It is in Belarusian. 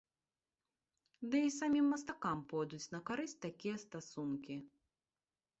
Ды і самім мастакам пойдуць на карысць такія стасункі.